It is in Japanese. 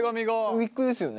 ウィッグですよね？